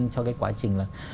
cho cái quá trình